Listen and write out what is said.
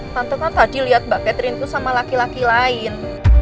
tante kan tadi liat mbak katrin tuh sama laki laki lain